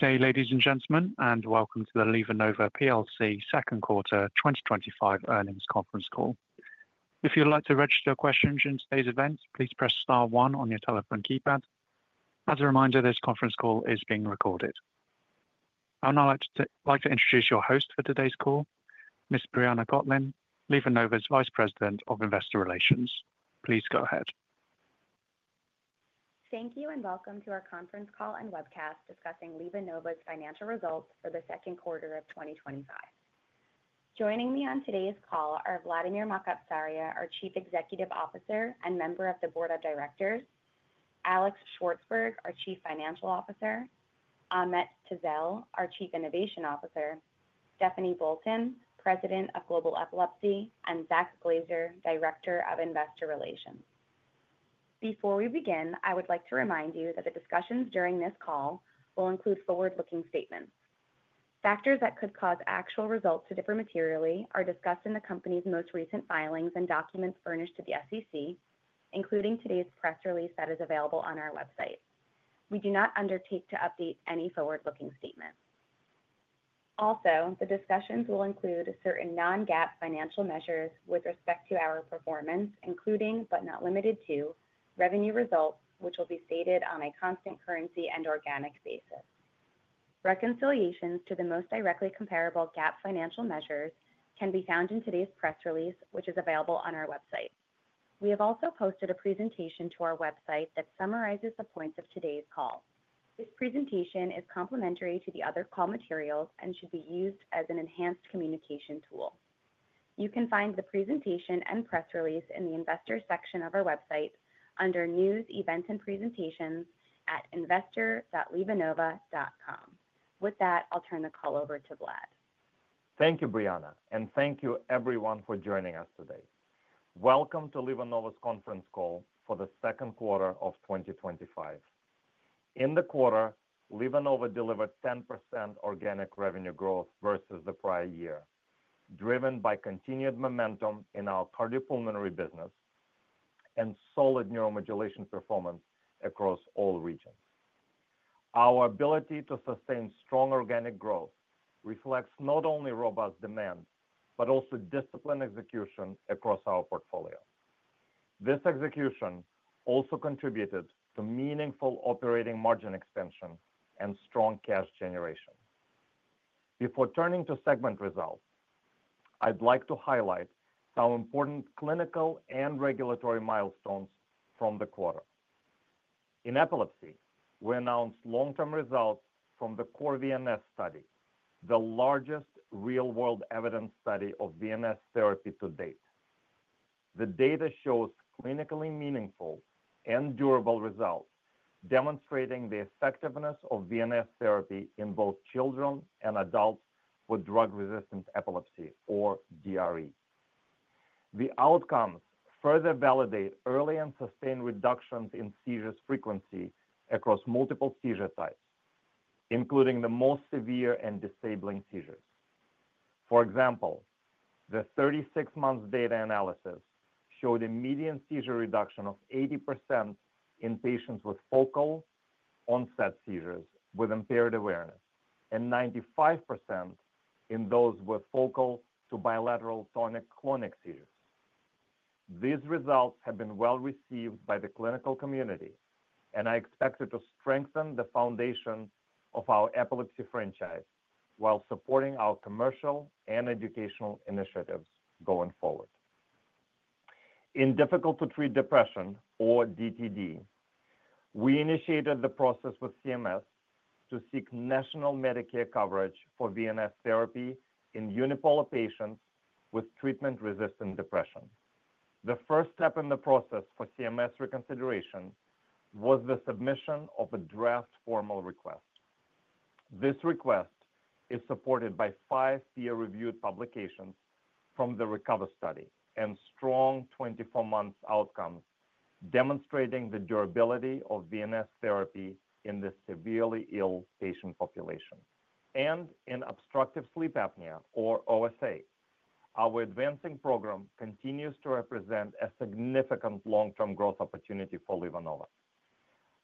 Good day, ladies and gentlemen, and welcome to the LivaNova PLC second quarter 2025 earnings conference call. If you would like to register your questions during today's event, please press star one on your telephone keypad. As a reminder, this conference call is being recorded. I would now like to introduce your host for today's call, Ms. Briana Gotlin, LivaNova's Vice President of Investor Relations. Please go ahead. Thank you and welcome to our conference call and webcast discussing LivaNova's financial results for the second quarter of 2025. Joining me on today's call are Vladimir Makatsaria, our Chief Executive Officer and member of the Board of Directors, Alex Shvartsburg, our Chief Financial Officer, Ahmet Tezel, our Chief Innovation Officer, Stephanie Bolton, President of Global Epilepsy, and Zach Glazer, Director of Investor Relations. Before we begin, I would like to remind you that the discussions during this call will include forward-looking statements. Factors that could cause actual results to differ materially are discussed in the company's most recent filings and documents furnished to the SEC, including today's press release that is available on our website. We do not undertake to update any forward-looking statements. Also, the discussions will include certain non-GAAP financial measures with respect to our performance, including but not limited to revenue results, which will be stated on a constant currency and organic basis. Reconciliations to the most directly comparable GAAP financial measures can be found in today's press release, which is available on our website. We have also posted a presentation to our website that summarizes the points of today's call. This presentation is complimentary to the other call materials and should be used as an enhanced communication tool. You can find the presentation and press release in the Investors section of our website under News, Events, and Presentations at investor.livanova.com. With that, I'll turn the call over to Vlad. Thank you, Briana, and thank you everyone for joining us today. Welcome to LivaNova's conference call for the second quarter of 2025. In the quarter, LivaNova delivered 10% organic revenue growth versus the prior year, driven by continued momentum in our cardiopulmonary business and solid neuromodulation performance across all regions. Our ability to sustain strong organic growth reflects not only robust demand but also disciplined execution across our portfolio. This execution also contributed to meaningful operating margin expansion and strong cash generation. Before turning to segment results, I'd like to highlight how important clinical and regulatory milestones from the quarter. In epilepsy, we announced long-term results from the core VNS study, the largest real-world evidence study of VNS Therapy to date. The data shows clinically meaningful and durable results, demonstrating the effectiveness of VNS Therapy in both children and adults with drug-resistant epilepsy, or DRE. The outcomes further validate early and sustained reductions in seizure frequency across multiple seizure types, including the most severe and disabling seizures. For example, the 36-month data analysis showed a median seizure reduction of 80% in patients with focal onset seizures with impaired awareness and 95% in those with focal to bilateral tonic-clonic seizures. These results have been well received by the clinical community, and I expect it to strengthen the foundation of our epilepsy franchise while supporting our commercial and educational initiatives going forward. In difficult-to-treat depression, or DTD, we initiated the process with CMS to seek national Medicare coverage for VNS Therapy in unipolar patients with treatment-resistant depression. The first step in the process for CMS reconsideration was the submission of a draft formal request. This request is supported by five peer-reviewed publications from the RECOVER study and strong 24-month outcomes demonstrating the durability of VNS Therapy in the severely ill patient population. In obstructive sleep apnea, or OSA, our advancing program continues to represent a significant long-term growth opportunity for LivaNova.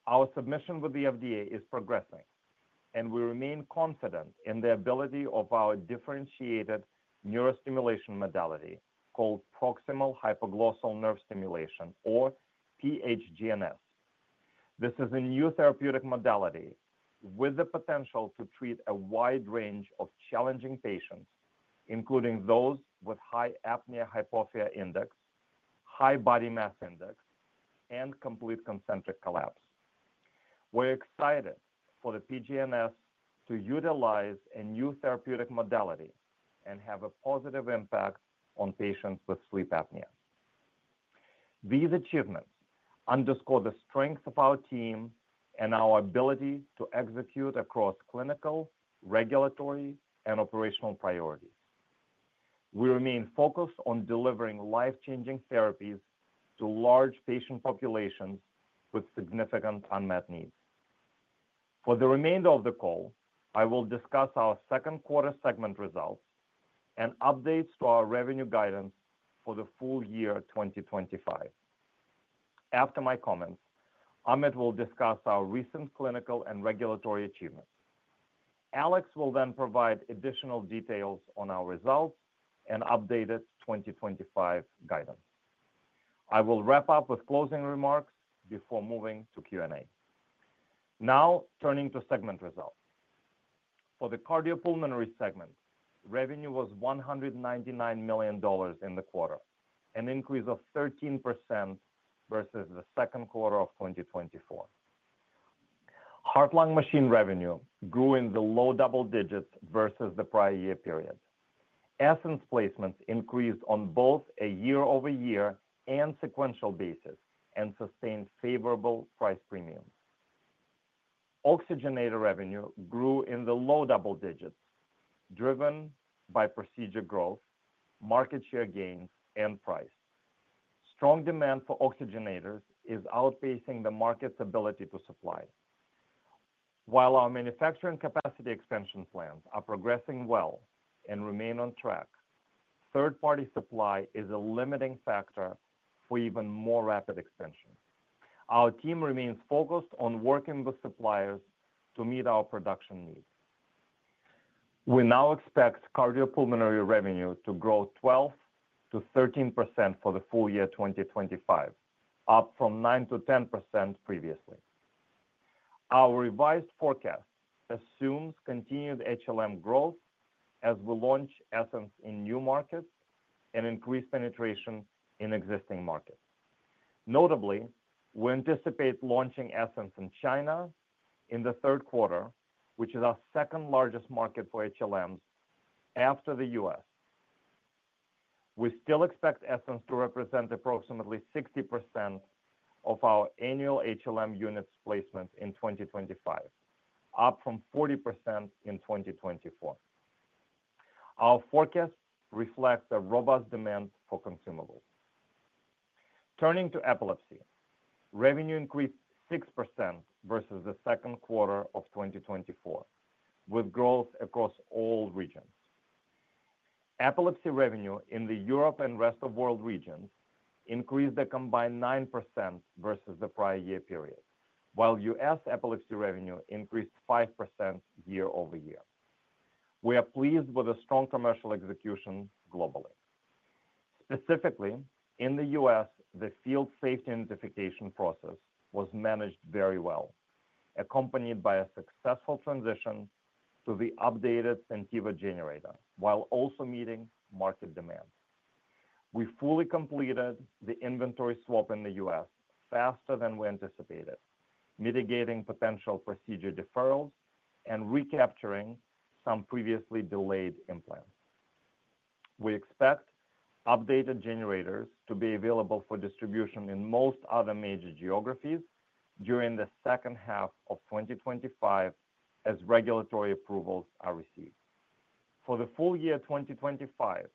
Our submission with the FDA is progressing, and we remain confident in the ability of our differentiated neurostimulation modality called proximal hypoglossal nerve stimulation, or PHGNS. This is a new therapeutic modality with the potential to treat a wide range of challenging patients, including those with high apnea-hypopnea index, high body mass index, and complete concentric collapse. We're excited for the PHGNS to utilize a new therapeutic modality and have a positive impact on patients with sleep apnea. These achievements underscore the strength of our team and our ability to execute across clinical, regulatory, and operational priorities. We remain focused on delivering life-changing therapies to large patient populations with significant unmet needs. For the remainder of the call, I will discuss our second quarter segment results and updates to our revenue guidance for the full year 2025. After my comments, Ahmet will discuss our recent clinical and regulatory achievements. Alex will then provide additional details on our results and updated 2025 guidance. I will wrap up with closing remarks before moving to Q&A. Now, turning to segment results. For the cardiopulmonary segment, revenue was $199 million in the quarter, an increase of 13% versus the second quarter of 2024. Heart-lung machine revenue grew in the low double digits versus the prior year period. Essenz placements increased on both a year-over-year and sequential basis and sustained favorable price premiums. Oxygenator revenue grew in the low double digits, driven by procedure growth, market share gains, and price. Strong demand for oxygenators is outpacing the market's ability to supply. While our manufacturing capacity expansion plans are progressing well and remain on track, third-party supply is a limiting factor for even more rapid expansion. Our team remains focused on working with suppliers to meet our production needs. We now expect cardiopulmonary revenue to grow 12% to 13% for the full year 2025, up from 9% to 10% previously. Our revised forecast assumes continued HLM growth as we launch Essenz in new markets and increase penetration in existing markets. Notably, we anticipate launching Essenz in China in the third quarter, which is our second largest market for HLMs after the U.S. We still expect Essenz to represent approximately 60% of our annual HLM units placement in 2025, up from 40% in 2024. Our forecast reflects a robust demand for consumables. Turning to epilepsy, revenue increased 6% versus the second quarter of 2024, with growth across all regions. Epilepsy revenue in the Europe and rest of the world regions increased a combined 9% versus the prior year period, while U.S. epilepsy revenue increased 5% year over year. We are pleased with a strong commercial execution globally. Specifically, in the U.S., the field safety identification process was managed very well, accompanied by a successful transition to the updated Sentiva generator, while also meeting market demand. We fully completed the inventory swap in the U.S. faster than we anticipated, mitigating potential procedure deferrals and recapturing some previously delayed implants. We expect updated generators to be available for distribution in most other major geographies during the second half of 2025 as regulatory approvals are received. For the full year 2025,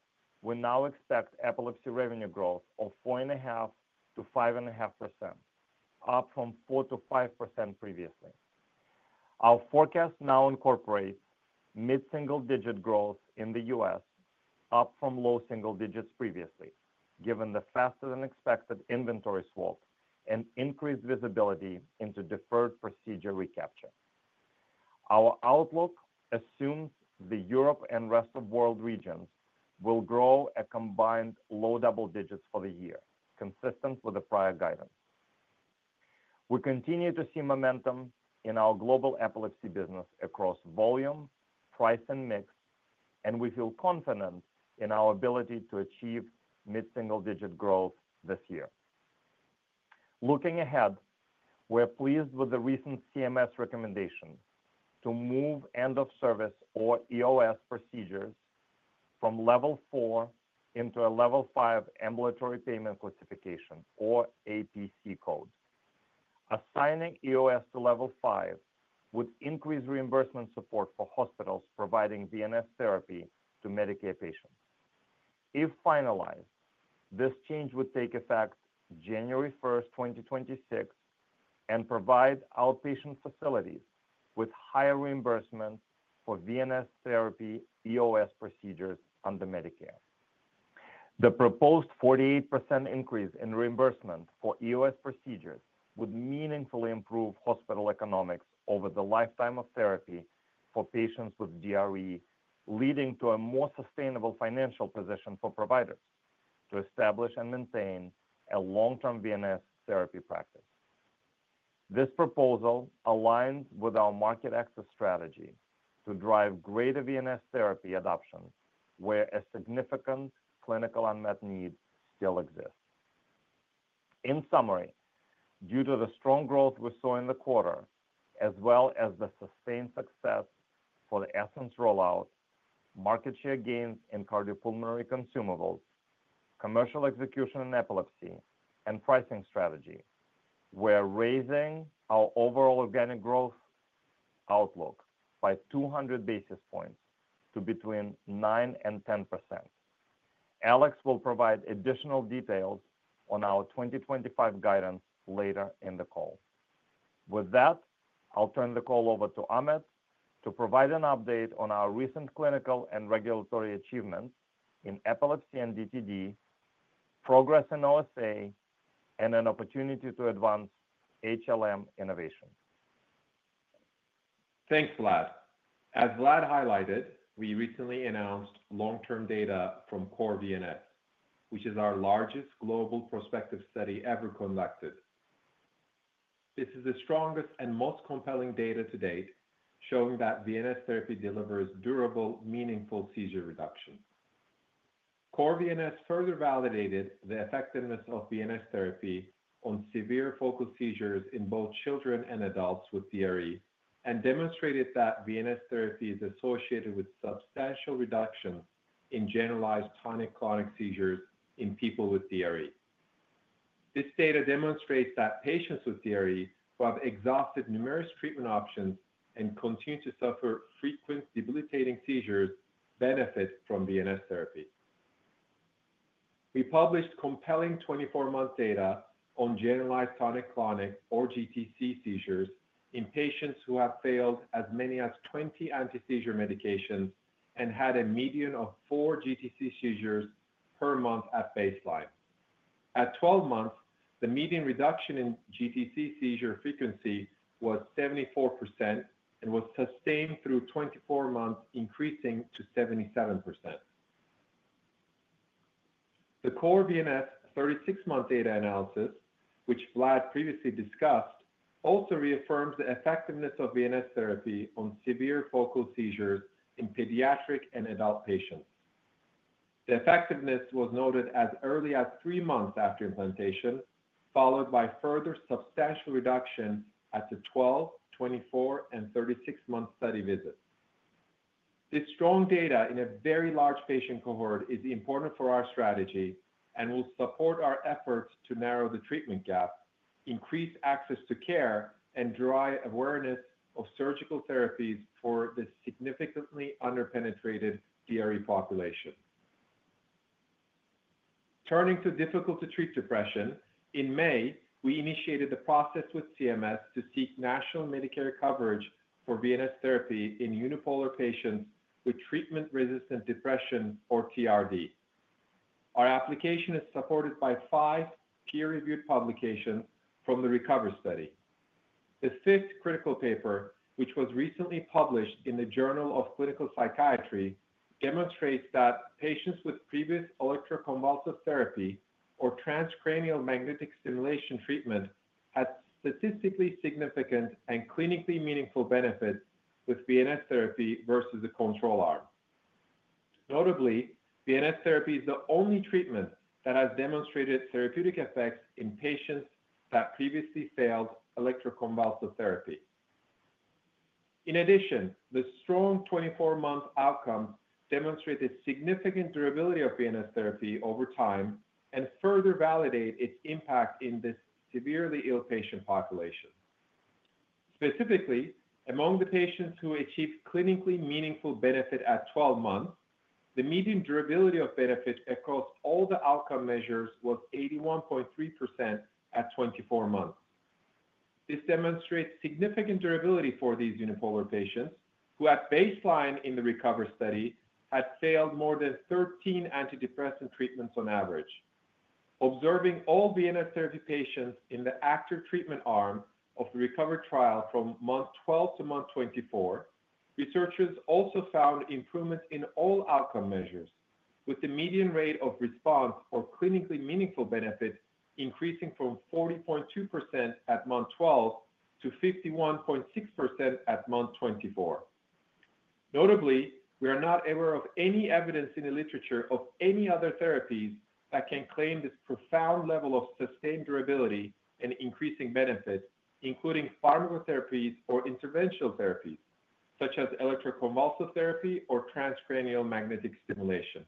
we now expect epilepsy revenue growth of 4.5% to 5.5%, up from 4% to 5% previously. Our forecast now incorporates mid-single-digit growth in the U.S., up from low single digits previously, given the faster-than-expected inventory swap and increased visibility into deferred procedure recapture. Our outlook assumes the Europe and rest of the world regions will grow a combined low double digits for the year, consistent with the prior guidance. We continue to see momentum in our global epilepsy business across volume, price, and mix, and we feel confident in our ability to achieve mid-single-digit growth this year. Looking ahead, we're pleased with the recent CMS recommendation to move end-of-service or EOS procedures from Level 4 into a Level 5 Ambulatory Payment Classification, or APC code. Assigning EOS to Level 5 would increase reimbursement support for hospitals providing VNS Therapy to Medicare patients. If finalized, this change would take effect January 1, 2026, and provide outpatient facilities with higher reimbursement for VNS Therapy EOS procedures under Medicare. The proposed 48% increase in reimbursement for EOS procedures would meaningfully improve hospital economics over the lifetime of therapy for patients with DRE, leading to a more sustainable financial position for providers to establish and maintain a long-term VNS Therapy practice. This proposal aligns with our market access strategy to drive greater VNS Therapy adoption where a significant clinical unmet need still exists. In summary, due to the strong growth we saw in the quarter, as well as the sustained success for the Essenz rollout, market share gains in cardiopulmonary consumables, commercial execution in epilepsy, and pricing strategy, we're raising our overall organic growth outlook by 200 basis points to between 9% and 10%. Alex will provide additional details on our 2025 guidance later in the call. With that, I'll turn the call over to Ahmet to provide an update on our recent clinical and regulatory achievements in epilepsy and DTD, progress in OSA, and an opportunity to advance HLM innovation. Thanks, Vlad. As Vlad highlighted, we recently announced long-term data from core VNS, which is our largest global prospective study ever conducted. This is the strongest and most compelling data to date, showing that VNS Therapy delivers durable, meaningful seizure reduction. Core VNS further validated the effectiveness of VNS Therapy on severe focal seizures in both children and adults with DRE and demonstrated that VNS Therapy is associated with substantial reduction in generalized tonic-clonic seizures in people with DRE. This data demonstrates that patients with DRE who have exhausted numerous treatment options and continue to suffer frequent debilitating seizures benefit from VNS Therapy. We published compelling 24-month data on generalized tonic-clonic or GTC seizures in patients who have failed as many as 20 anti-seizure medications and had a median of four GTC seizures per month at baseline. At 12 months, the median reduction in GTC seizure frequency was 74% and was sustained through 24 months, increasing to 77%. The core VNS 36-month data analysis, which Vlad previously discussed, also reaffirms the effectiveness of VNS Therapy on severe focal seizures in pediatric and adult patients. The effectiveness was noted as early as three months after implantation, followed by further substantial reduction at the 12, 24, and 36-month study visits. This strong data in a very large patient cohort is important for our strategy and will support our efforts to narrow the treatment gap, increase access to care, and drive awareness of surgical therapies for the significantly underpenetrated DRE population. Turning to difficult-to-treat depression, in May, we initiated the process with CMS to seek national Medicare coverage for VNS Therapy in unipolar patients with treatment-resistant depression, or TRD. Our application is supported by five peer-reviewed publications from the RECOVER study. The fifth critical paper, which was recently published in the Journal of Clinical Psychiatry, demonstrates that patients with previous electroconvulsive therapy or transcranial magnetic stimulation treatment had statistically significant and clinically meaningful benefits with VNS Therapy versus the control arm. Notably, VNS Therapy is the only treatment that has demonstrated therapeutic effects in patients that previously failed electroconvulsive therapy. In addition, the strong 24-month outcome demonstrated significant durability of VNS Therapy over time and further validates its impact in this severely ill patient population. Specifically, among the patients who achieved clinically meaningful benefit at 12 months, the median durability of benefit across all the outcome measures was 81.3% at 24 months. This demonstrates significant durability for these unipolar patients who, at baseline in the RECOVER study, had failed more than 13 antidepressant treatments on average. Observing all VNS Therapy patients in the after-treatment arm of the RECOVER trial from month 12 to month 24, researchers also found improvements in all outcome measures, with the median rate of response or clinically meaningful benefit increasing from 40.2% at month 12 to 51.6% at month 24. Notably, we are not aware of any evidence in the literature of any other therapies that can claim this profound level of sustained durability and increasing benefits, including pharmacotherapies or interventional therapies, such as electroconvulsive therapy or transcranial magnetic stimulation.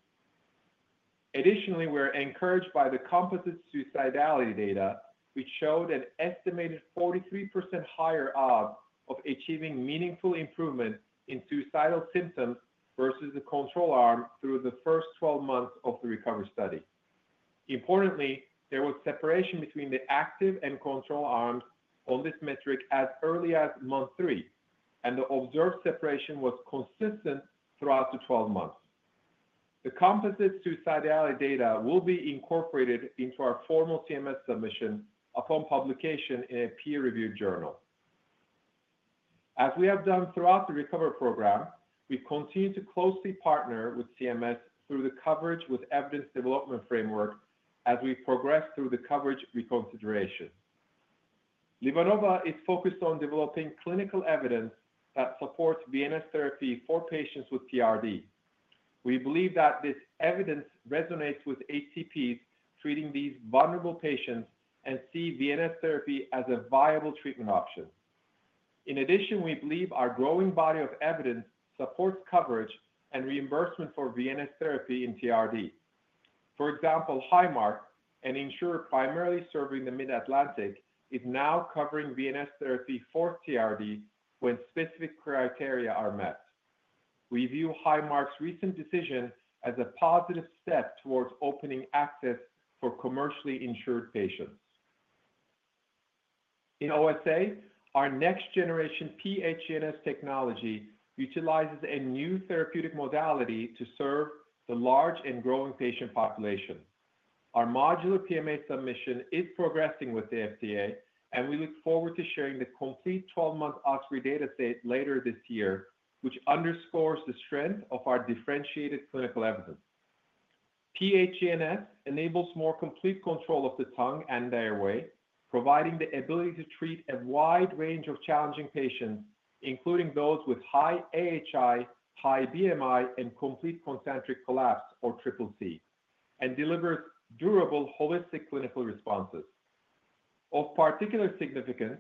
Additionally, we are encouraged by the composite suicidality data, which showed an estimated 43% higher odds of achieving meaningful improvement in suicidal symptoms versus the control arm through the first 12 months of the RECOVER study. Importantly, there was separation between the active and control arms on this metric as early as month 3, and the observed separation was consistent throughout the 12 months. The composite suicidality data will be incorporated into our formal CMS submission upon publication in a peer-reviewed journal. As we have done throughout the RECOVER program, we continue to closely partner with CMS through the Coverage with Evidence Development Framework as we progress through the coverage reconsideration. LivaNova is focused on developing clinical evidence that supports VNS Therapy for patients with TRD. We believe that this evidence resonates with ATPs treating these vulnerable patients and sees VNS Therapy as a viable treatment option. In addition, we believe our growing body of evidence supports coverage and reimbursement for VNS Therapy in TRD. For example, Highmark, an insurer primarily serving the Mid-Atlantic, is now covering VNS Therapy for TRD when specific criteria are met. We view Highmark's recent decision as a positive step towards opening access for commercially insured patients. In OSA, our next-generation PHGNS technology utilizes a new therapeutic modality to serve the large and growing patient population. Our modular PMA submission is progressing with the FDA, and we look forward to sharing the complete 12-month OSPREY dataset later this year, which underscores the strength of our differentiated clinical evidence. PHGNS enables more complete control of the tongue and airway, providing the ability to treat a wide range of challenging patients, including those with high AHI, high BMI, and complete concentric collapse, or CCC, and delivers durable holistic clinical responses. Of particular significance,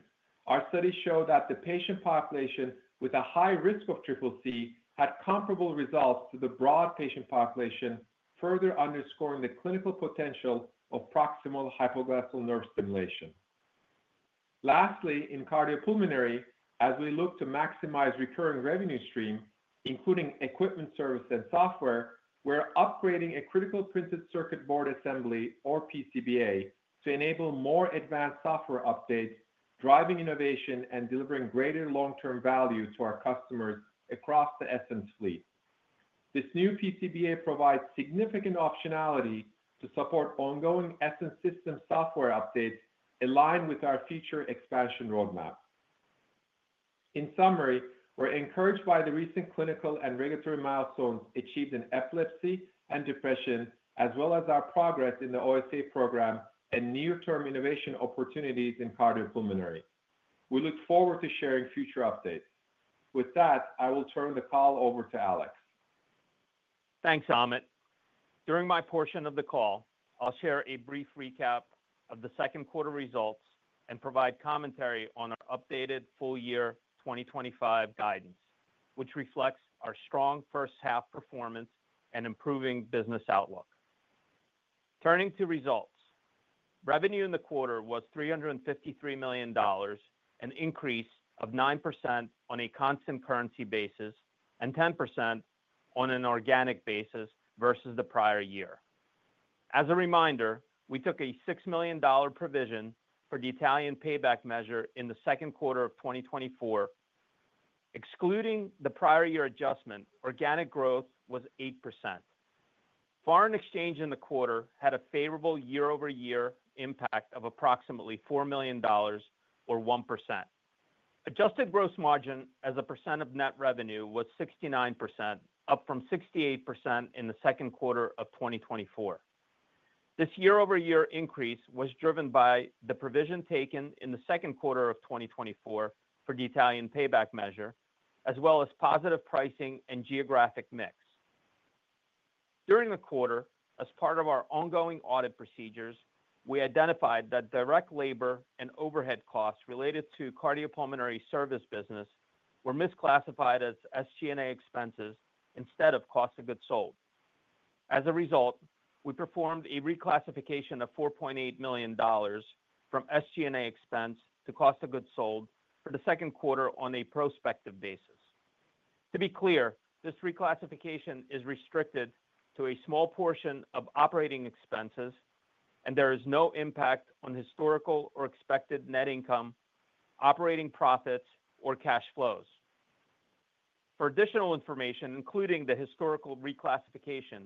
our studies show that the patient population with a high risk of CCC had comparable results to the broad patient population, further underscoring the clinical potential of proximal hypoglossal nerve stimulation. Lastly, in cardiopulmonary, as we look to maximize recurring revenue stream, including equipment, service, and software, we're upgrading a critical printed circuit board assembly, or PCBA, to enable more advanced software updates, driving innovation, and delivering greater long-term value to our customers across the Essenz fleet. This new PCBA provides significant optionality to support ongoing Essenz system software updates in line with our future expansion roadmap. In summary, we're encouraged by the recent clinical and regulatory milestones achieved in epilepsy and depression, as well as our progress in the OSA program and near-term innovation opportunities in cardiopulmonary. We look forward to sharing future updates. With that, I will turn the call over to Alex. Thanks, Ahmet. During my portion of the call, I'll share a brief recap of the second quarter results and provide commentary on our updated full year 2025 guidance, which reflects our strong first half performance and improving business outlook. Turning to results, revenue in the quarter was $353 million, an increase of 9% on a constant currency basis and 10% on an organic basis versus the prior year. As a reminder, we took a $6 million provision for the Italian payback measure in the second quarter of 2024. Excluding the prior year adjustment, organic growth was 8%. Foreign exchange in the quarter had a favorable year-over-year impact of approximately $4 million, or 1%. Adjusted gross margin as a percent of net revenue was 69%, up from 68% in the second quarter of 2024. This year-over-year increase was driven by the provision taken in the second quarter of 2024 for the Italian payback measure, as well as positive pricing and geographic mix. During the quarter, as part of our ongoing audit procedures, we identified that direct labor and overhead costs related to cardiopulmonary service business were misclassified as SG&A expenses instead of cost of goods sold. As a result, we performed a reclassification of $4.8 million from SG&A expense to cost of goods sold for the second quarter on a prospective basis. To be clear, this reclassification is restricted to a small portion of operating expenses, and there is no impact on historical or expected net income, operating profits, or cash flows. For additional information, including the historical reclassification,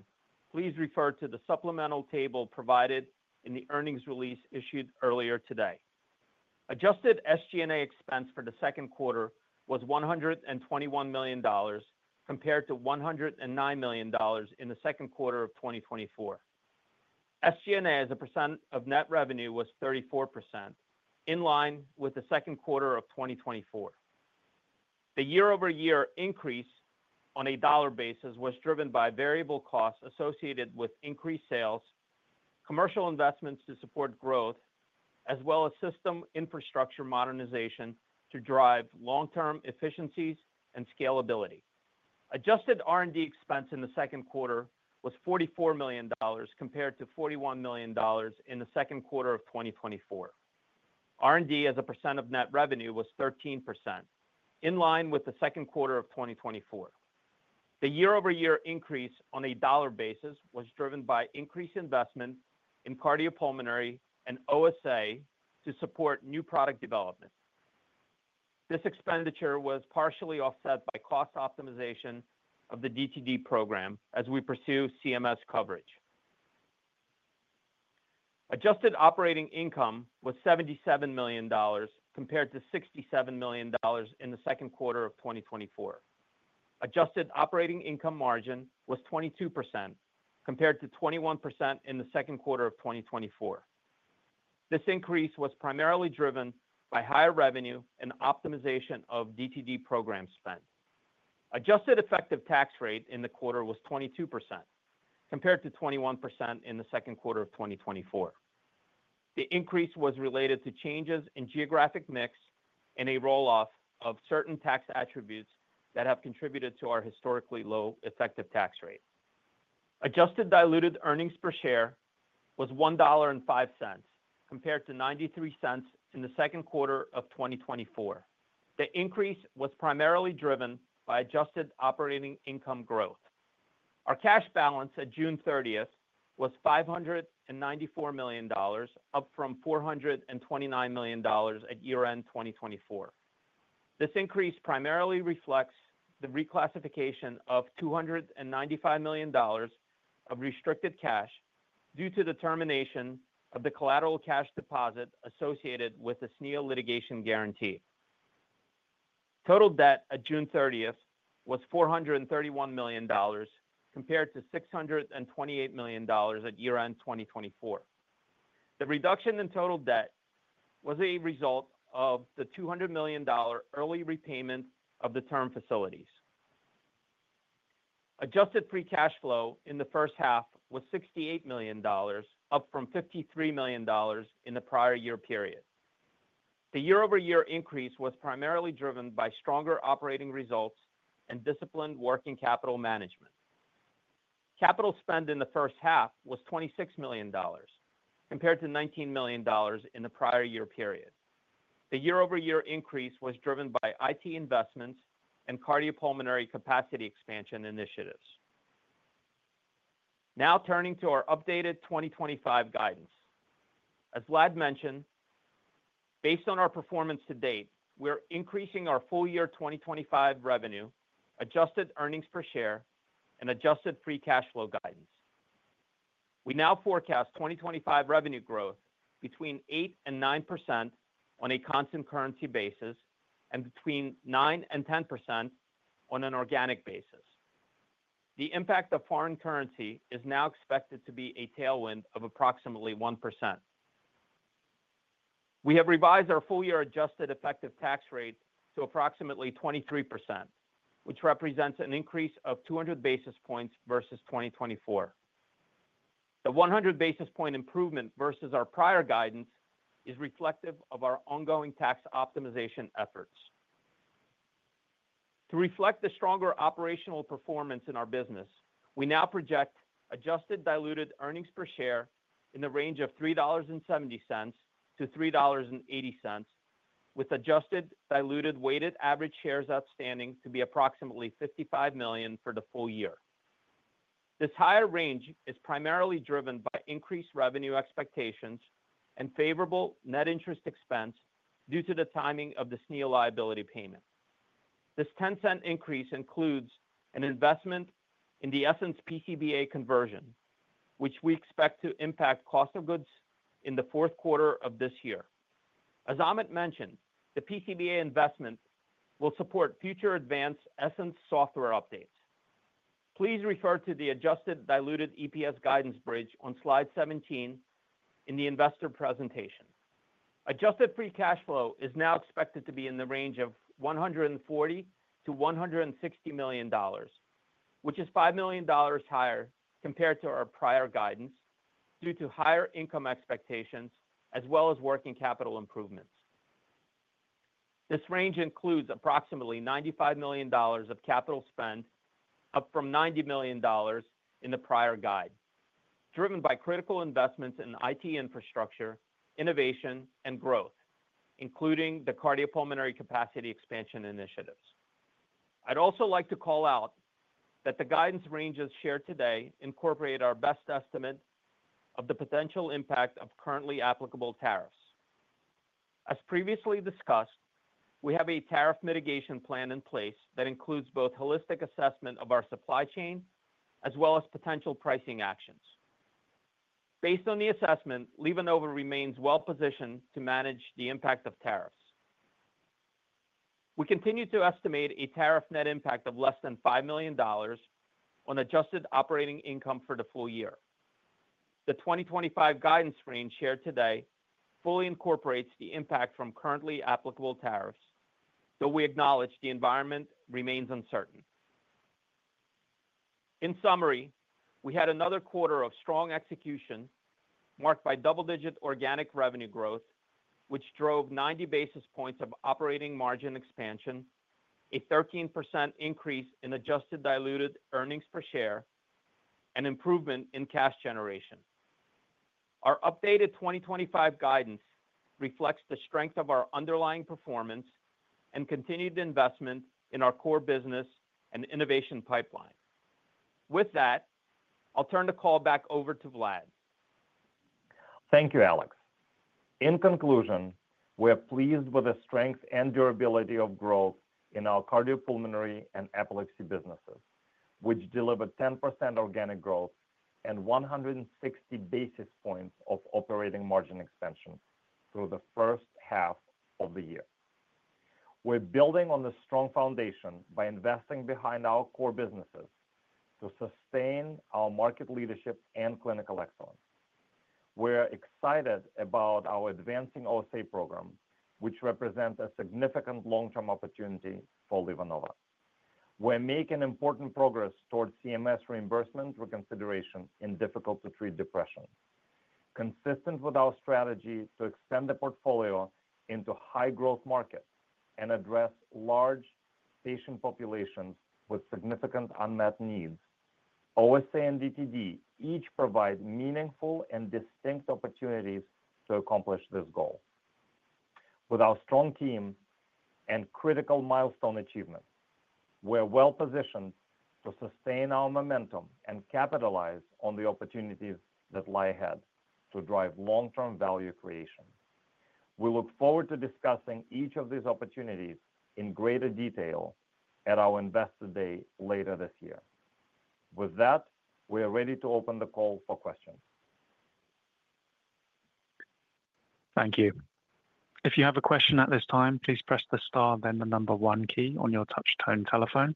please refer to the supplemental table provided in the earnings release issued earlier today. Adjusted SG&A expense for the second quarter was $121 million, compared to $109 million in the second quarter of 2024. SG&A as a percent of net revenue was 34%, in line with the second quarter of 2024. The year-over-year increase on a dollar basis was driven by variable costs associated with increased sales, commercial investments to support growth, as well as system infrastructure modernization to drive long-term efficiencies and scalability. Adjusted R&D expense in the second quarter was $44 million, compared to $41 million in the second quarter of 2024. R&D as a percent of net revenue was 13%, in line with the second quarter of 2024. The year-over-year increase on a dollar basis was driven by increased investment in cardiopulmonary and OSA to support new product development. This expenditure was partially offset by cost optimization of the DTD program as we pursue CMS coverage. Adjusted operating income was $77 million, compared to $67 million in the second quarter of 2024. Adjusted operating income margin was 22%, compared to 21% in the second quarter of 2024. This increase was primarily driven by higher revenue and optimization of DTD program spend. Adjusted effective tax rate in the quarter was 22%, compared to 21% in the second quarter of 2024. The increase was related to changes in geographic mix and a rolloff of certain tax attributes that have contributed to our historically low effective tax rate. Adjusted diluted earnings per share was $1.05, compared to $0.93 in the second quarter of 2024. The increase was primarily driven by adjusted operating income growth. Our cash balance at June 30 was $594 million, up from $429 million at year-end 2024. This increase primarily reflects the reclassification of $295 million of restricted cash due to the termination of the collateral cash deposit associated with the SNEEL litigation guarantee. Total debt at June 30 was $431 million, compared to $628 million at year-end 2024. The reduction in total debt was a result of the $200 million early repayment of the term facilities. Adjusted free cash flow in the first half was $68 million, up from $53 million in the prior year period. The year-over-year increase was primarily driven by stronger operating results and disciplined working capital management. Capital spend in the first half was $26 million, compared to $19 million in the prior year period. The year-over-year increase was driven by IT investments and cardiopulmonary capacity expansion initiatives. Now turning to our updated 2025 guidance. As Vlad mentioned, based on our performance to date, we're increasing our full year 2025 revenue, adjusted earnings per share, and adjusted free cash flow guidance. We now forecast 2025 revenue growth between 8% and 9% on a constant currency basis and between 9% and 10% on an organic basis. The impact of foreign currency is now expected to be a tailwind of approximately 1%. We have revised our full year adjusted effective tax rate to approximately 23%, which represents an increase of 200 basis points versus 2024. The 100 basis point improvement versus our prior guidance is reflective of our ongoing tax optimization efforts. To reflect the stronger operational performance in our business, we now project adjusted diluted earnings per share in the range of $3.70 to $3.80, with adjusted diluted weighted average shares outstanding to be approximately 55 million for the full year. This higher range is primarily driven by increased revenue expectations and favorable net interest expense due to the timing of the SNEEL liability payment. This 10% increase includes an investment in the Essenz PCBA conversion, which we expect to impact cost of goods in the fourth quarter of this year. As Ahmet mentioned, the PCBA investment will support future advanced Essenz software updates. Please refer to the adjusted diluted EPS guidance bridge on slide 17 in the investor presentation. Adjusted free cash flow is now expected to be in the range of $140 to $160 million, which is $5 million higher compared to our prior guidance due to higher income expectations as well as working capital improvements. This range includes approximately $95 million of capital spend, up from $90 million in the prior guide, driven by critical investments in IT infrastructure, innovation, and growth, including the cardiopulmonary capacity expansion initiatives. I'd also like to call out that the guidance ranges shared today incorporate our best estimate of the potential impact of currently applicable tariffs. As previously discussed, we have a tariff mitigation plan in place that includes both holistic assessment of our supply chain as well as potential pricing actions. Based on the assessment, LivaNova remains well positioned to manage the impact of tariffs. We continue to estimate a tariff net impact of less than $5 million on adjusted operating income for the full year. The 2025 guidance range shared today fully incorporates the impact from currently applicable tariffs, though we acknowledge the environment remains uncertain. In summary, we had another quarter of strong execution marked by double-digit organic revenue growth, which drove 90 basis points of operating margin expansion, a 13% increase in adjusted diluted earnings per share, and improvement in cash generation. Our updated 2025 guidance reflects the strength of our underlying performance and continued investment in our core business and innovation pipeline. With that, I'll turn the call back over to Vlad. Thank you, Alex. In conclusion, we're pleased with the strength and durability of growth in our cardiopulmonary and epilepsy businesses, which delivered 10% organic growth and 160 basis points of operating margin expansion through the first half of the year. We're building on the strong foundation by investing behind our core businesses to sustain our market leadership and clinical excellence. We're excited about our advancing OSA program, which represents a significant long-term opportunity for LivaNova. We're making important progress towards CMS reimbursement reconsideration in difficult-to-treat depression, consistent with our strategy to extend the portfolio into a high-growth market and address large patient populations with significant unmet needs. OSA and DTD each provide meaningful and distinct opportunities to accomplish this goal. With our strong team and critical milestone achievements, we're well positioned to sustain our momentum and capitalize on the opportunities that lie ahead to drive long-term value creation. We look forward to discussing each of these opportunities in greater detail at our investor day later this year. With that, we are ready to open the call for questions. Thank you. If you have a question at this time, please press the star then the number one key on your touch-tone telephone.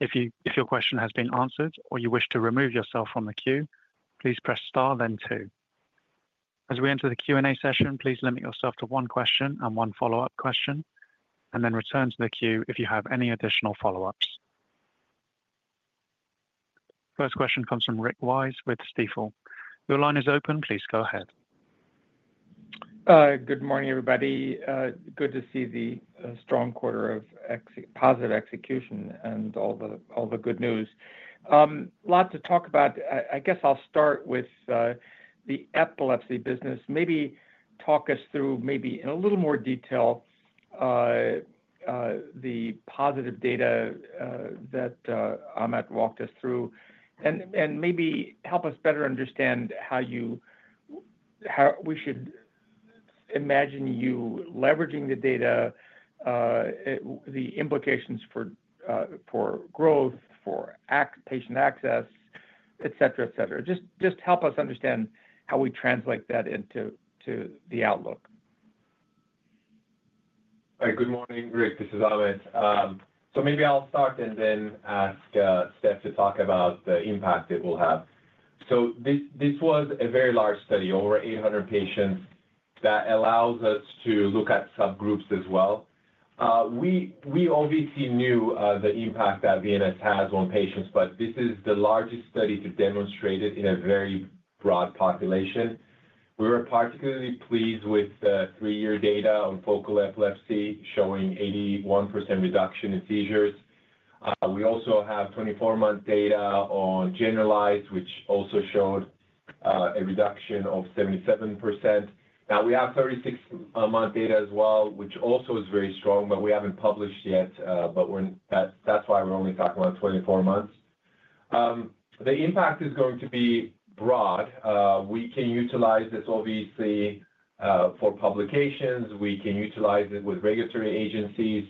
If your question has been answered or you wish to remove yourself from the queue, please press star then two. As we enter the Q&A session, please limit yourself to one question and one follow-up question, and then return to the queue if you have any additional follow-ups. First question comes from Rick Wise with Stifel. Your line is open, please go ahead. Good morning, everybody. Good to see the strong quarter of positive execution and all the good news. A lot to talk about. I guess I'll start with the epilepsy business. Maybe talk us through, maybe in a little more detail, the positive data that Ahmet Tezel walked us through, and maybe help us better understand how we should imagine you leveraging the data, the implications for growth, for patient access, et cetera, et cetera. Just help us understand how we translate that into the outlook. Good morning, Rick. This is Ahmet. Maybe I'll start and then ask Steph to talk about the impact it will have. This was a very large study, over 800 patients, that allows us to look at subgroups as well. We obviously knew the impact that VNS Therapy has on patients, but this is the largest study to demonstrate it in a very broad population. We were particularly pleased with the three-year data on focal epilepsy, showing 81% reduction in seizures. We also have 24-month data on generalized, which also showed a reduction of 77%. Now we have 36-month data as well, which also is very strong, but we haven't published yet. That's why we only got one 24 months. The impact is going to be broad. We can utilize this obviously for publications. We can utilize it with regulatory agencies.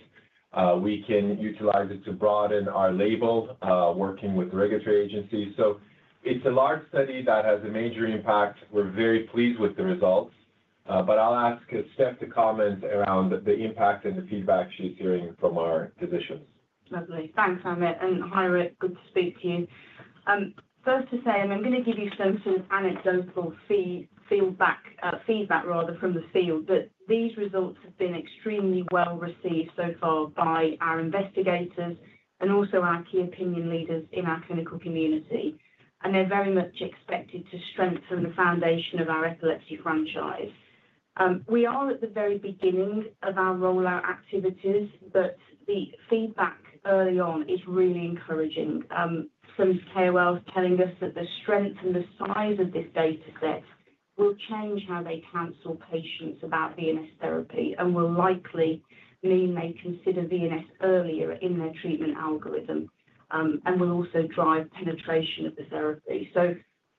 We can utilize it to broaden our label, working with regulatory agencies. It's a large study that has a major impact. We're very pleased with the results. I'll ask Steph to comment around the impact and the feedback she's hearing from our physician. Lovely. Thanks, Ahmet. Hi, Rick. Good to speak to you. First, I'm going to give you some sort of anecdotal feedback from the field that these results have been extremely well received so far by our investigators and also our key opinion leaders in our clinical community. They're very much expected to strengthen the foundation of our epilepsy franchise. We are at the very beginning of our rollout activities, but the feedback early on is really encouraging. Some KOLs are telling us that the strength and the size of this dataset will change how they counsel patients about VNS Therapy and will likely mean they consider VNS earlier in their treatment algorithm and will also drive penetration of the therapy.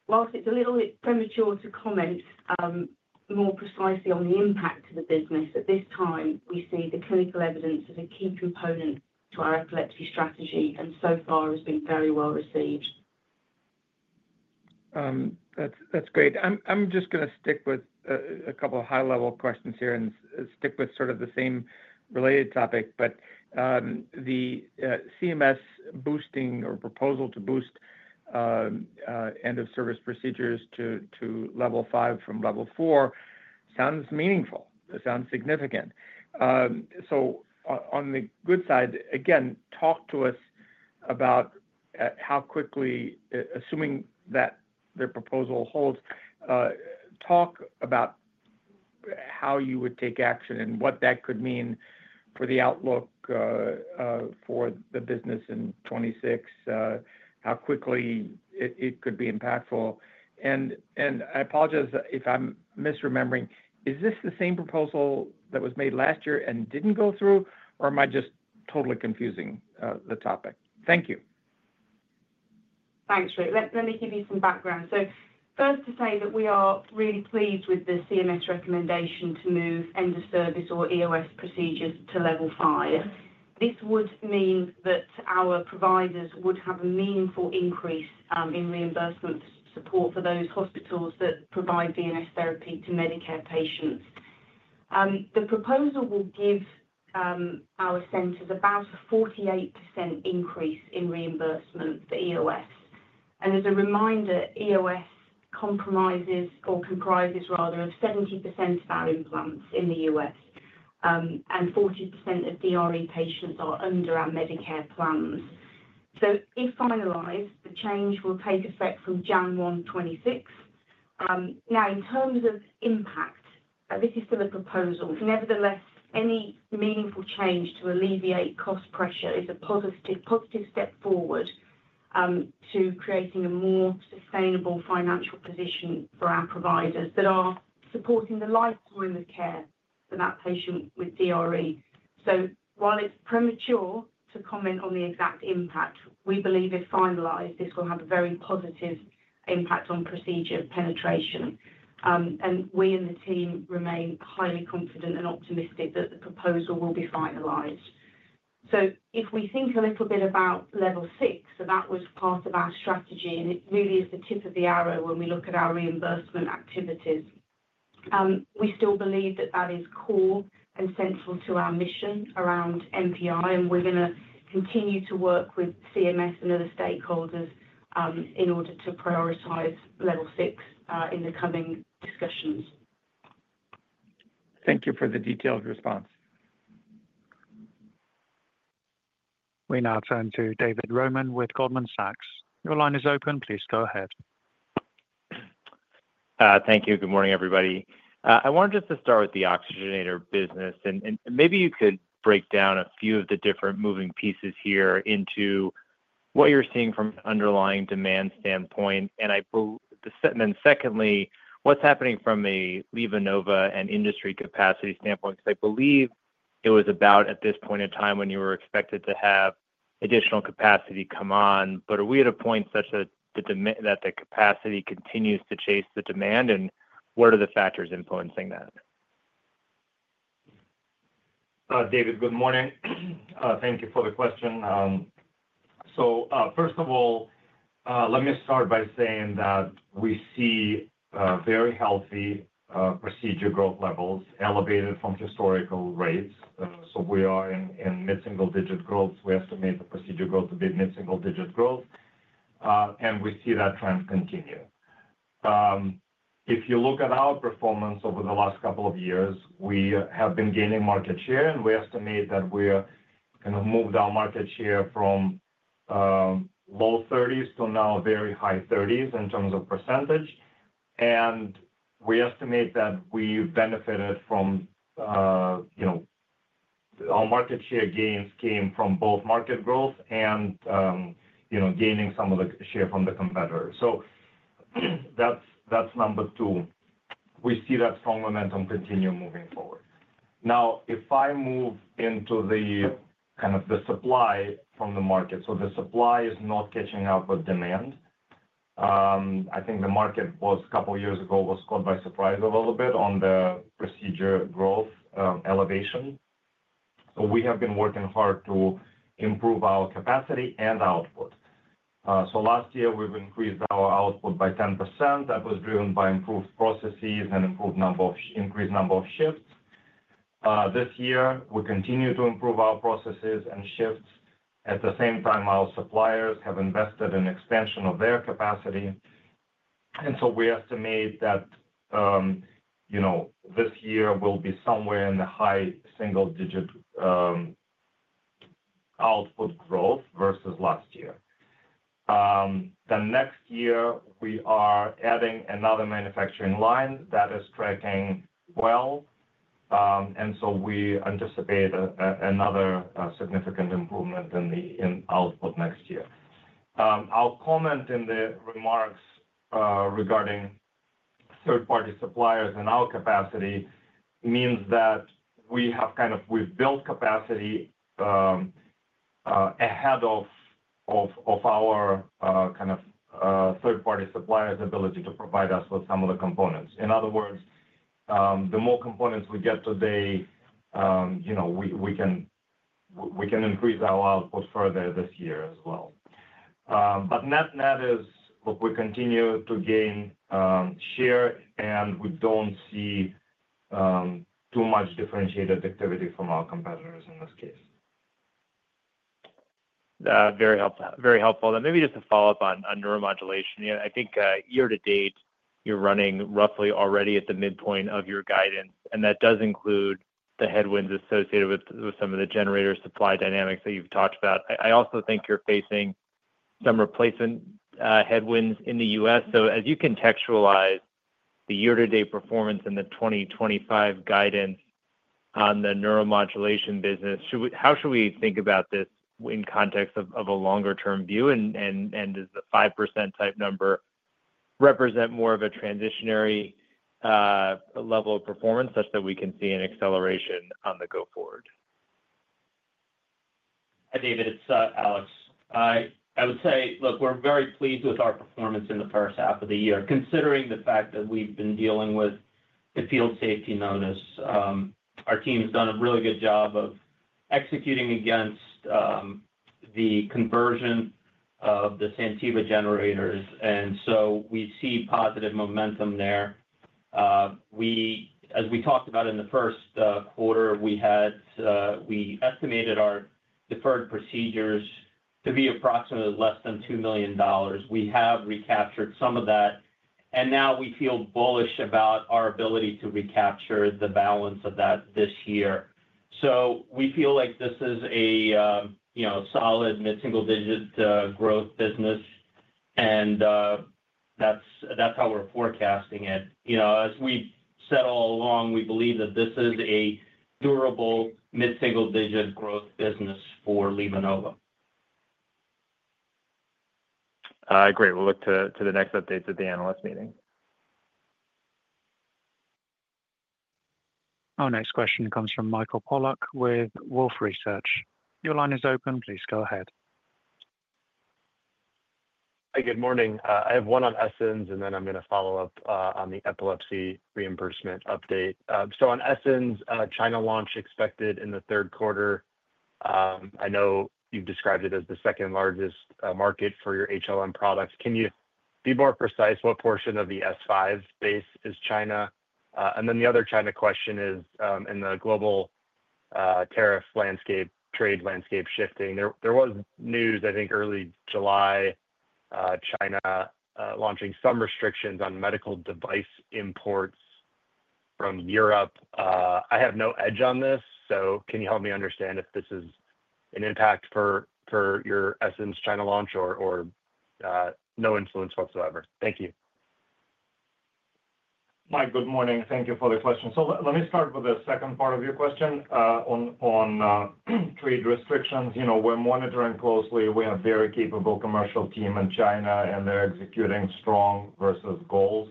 Whilst it's a little premature to comment more precisely on the impact to the business at this time, we see the clinical evidence as a key component to our epilepsy strategy and so far has been very well received. That's great. I'm just going to stick with a couple of high-level questions here and stick with sort of the same related topic. The CMS boosting or proposal to boost end-of-service procedures to Level 5 from Level 4 sounds meaningful, it sounds significant. On the good side, again, talk to us about how quickly, assuming that their proposal holds, talk about how you would take action and what that could mean for the outlook for the business in 26, how quickly it could be impactful. I apologize if I'm misremembering. Is this the same proposal that was made last year and didn't go through, or am I just totally confusing the topic? Thank you. Thanks, Rick. Let me give you some background. First, we are really pleased with the CMS recommendation to move end-of-service, or EOS, procedures to Level 5. This would mean that our providers would have a meaningful increase in reimbursement support for those hospitals that provide VNS Therapy to Medicare patients. The proposal will give our centers about a 48% increase in reimbursement for EOS. As a reminder, EOS comprises 70% of our implants in the U.S., and 40% of drug-resistant epilepsy (DRE) patients are under our Medicare plans. If finalized, the change will take effect from January 2026. In terms of impact, this is still a proposal. Nevertheless, any meaningful change to alleviate cost pressure is a positive step forward to creating a more sustainable financial position for our providers that are supporting the lifetime of care for that patient with DRE. While it's premature to comment on the exact impact, we believe if finalized, this will have a very positive impact on procedure penetration. We in the team remain highly confident and optimistic that the proposal will be finalized. If we think a little bit about Level 6, that was part of our strategy, and it really is the tip of the arrow when we look at our reimbursement activities. We still believe that is core and central to our mission around NPI, and we're going to continue to work with CMS and other stakeholders in order to prioritize Level 6 in the coming discussions. Thank you for the detailed response. We now turn to David Roman with Goldman Sachs. Your line is open. Please go ahead. Thank you. Good morning, everybody. I wanted to start with the oxygenator business, and maybe you could break down a few of the different moving pieces here into what you're seeing from an underlying demand standpoint. I believe, and then secondly, what's happening from a LivaNova and industry capacity standpoint? I believe it was about at this point in time when you were expected to have additional capacity come on. Are we at a point such that the capacity continues to chase the demand, and what are the factors influencing that? David, good morning. Thank you for the question. First of all, let me start by saying that we see very healthy procedure growth levels elevated from historical rates. We are in mid-single-digit growth. We estimate the procedure growth to be mid-single-digit growth, and we see that trend continue. If you look at our performance over the last couple of years, we have been gaining market share, and we estimate that we have moved our market share from low 30s to now very high 30s in terms of percentage. We estimate that we've benefited from our market share gains, which came from both market growth and gaining some of the share from the competitors. That's number two. We see that strong momentum continue moving forward. Now, if I move into the supply from the market, the supply is not catching up with demand. I think the market was a couple of years ago caught by surprise a little bit on the procedure growth elevation. We have been working hard to improve our capacity and output. Last year, we've increased our output by 10%. That was driven by improved processes and an increased number of shifts. This year, we continue to improve our processes and shifts. At the same time, our suppliers have invested in an extension of their capacity. We estimate that this year will be somewhere in the high single-digit output growth versus last year. Next year, we are adding another manufacturing line that is tracking well, and we anticipate another significant improvement in the output next year. Our comment in the remarks regarding third-party suppliers and our capacity means that we have built capacity ahead of our third-party suppliers' ability to provide us with some of the components. In other words, the more components we get today, we can increase our output further this year as well. Net is what we continue to gain share, and we don't see too much differentiated activity from our competitors in this case. Very helpful. Maybe just to follow up on neuromodulation, I think year to date, you're running roughly already at the midpoint of your guidance, and that does include the headwinds associated with some of the generator supply dynamics that you've talked about. I also think you're facing some replacement headwinds in the U.S. As you contextualize the year-to-date performance and the 2025 guidance on the neuromodulation business, how should we think about this in context of a longer-term view? Does the 5% type number represent more of a transitionary level of performance such that we can see an acceleration on the go-forward? David, it's Alex. I would say, look, we're very pleased with our performance in the first half of the year, considering the fact that we've been dealing with the field safety notice. Our team has done a really good job of executing against the conversion of the Sentiva generators, and we see positive momentum there. As we talked about in the first quarter, we estimated our deferred procedures to be approximately less than $2 million. We have recaptured some of that, and now we feel bullish about our ability to recapture the balance of that this year. We feel like this is a solid mid-single-digit growth business, and that's how we're forecasting it. As we settle along, we believe that this is a durable mid-single-digit growth business for LivaNova. I agree. We'll look to the next updates at the analyst meeting. Our next question comes from Michael Pollock with Wolfe Research. Your line is open. Please go ahead. Hi, good morning. I have one on Essenz, and then I'm going to follow up on the epilepsy reimbursement update. On Essenz, a China launch expected in the third quarter. I know you've described it as the second largest market for your HLM products. Can you be more precise? What portion of the S5 base is China? The other China question is, in the global tariff landscape, trade landscape shifting, there was news, I think, early July, China launching some restrictions on medical device imports from Europe. I have no edge on this. Can you help me understand if this is an impact for your Essenz China launch or no influence whatsoever? Thank you. Mike, good morning. Thank you for the question. Let me start with the second part of your question on trade restrictions. We're monitoring closely. We have a very capable commercial team in China, and they're executing strong versus goals.